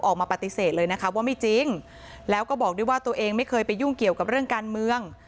ออกมาปฏิเสธเลยนะคะว่าไม่จริงแล้วก็บอกด้วยว่าตัวเองไม่เคยไปยุ่งเกี่ยวกับเรื่องการเมือง